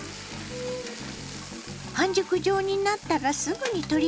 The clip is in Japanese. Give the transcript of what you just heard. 半熟状になったらすぐに取り出します。